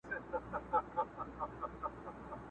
دا په وينو روزل سوی چمن زما دی٫